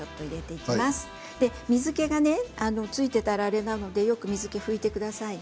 水けがついていたらあれなのでよく拭いてくださいね。